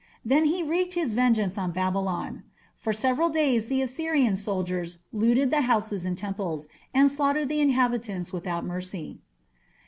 Then he wreaked his vengeance on Babylon. For several days the Assyrian soldiers looted the houses and temples, and slaughtered the inhabitants without mercy.